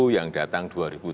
yang datang dua ribu tujuh belas